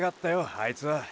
あいつは。